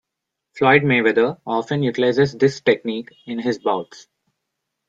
Floyd Mayweather often utilizes this technique in his bouts.